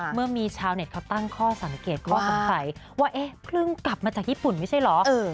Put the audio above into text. เมื่อมีชาวเน็ตเขาตั้งข้อสังเกตก็สงสัยว่าเอ๊ะเพิ่งกลับมาจากญี่ปุ่นไม่ใช่เหรอ